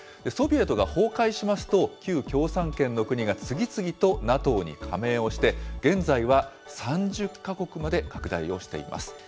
ソビエトが崩壊しますと、旧共産圏の国が次々とＮＡＴＯに加盟をして、現在は３０か国まで拡大をしています。